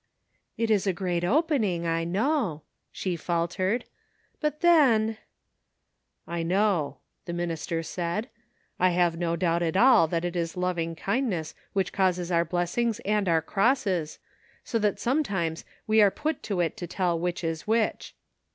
''It is a great opening, I know," she faltered; " but then" — "I know," the minister said; "I have no doubt at aU that it is loving kindness which causes our blessings and our crosses, so that sometimes we are put to it to tell which is which.